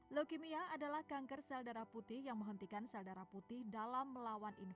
leukemia adalah kanker sel darah putih yang menghentikan sel darah putih darah